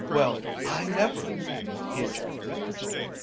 "Well, I never!" he ejaculated.